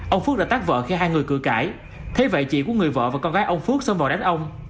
ông phước đã tắt vợ khi hai người cử cãi thế vậy chị của người vợ và con gái ông phước xâm vào đánh ông